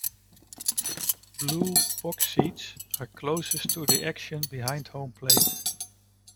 Blue "box seats" are closest to the action behind home plate.